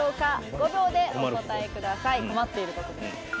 ５秒でお答えください。